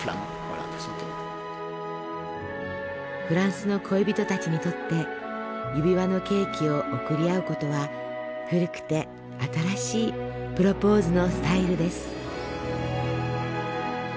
フランスの恋人たちにとって指輪のケーキを贈り合う事は古くて新しいプロポーズのスタイルです。